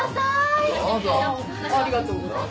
ありがとうございます。